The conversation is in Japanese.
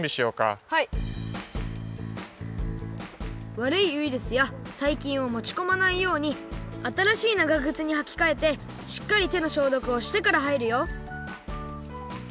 わるいウイルスやさいきんをもちこまないようにあたらしいながぐつにはきかえてしっかりてのしょうどくをしてからはいるよ